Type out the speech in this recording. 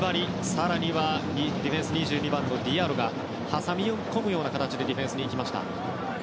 更にはディフェンス２２番のディアロが挟み込む形でディフェンスに行きました。